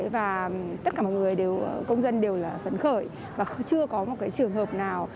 và tất cả mọi người đều công dân đều là phấn khởi và chưa có một cái trường hợp nào